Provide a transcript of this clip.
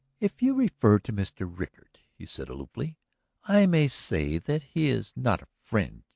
"If you refer to Mr. Rickard," he said aloofly, "I may say that he is not a friend